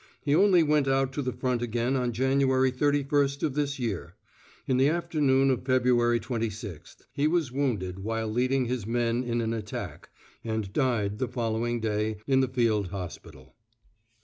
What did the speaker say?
He only went out to the front again on January 31st of this year. In the afternoon of February 26th he was wounded while leading his men in an attack and died the following day in the field hospital.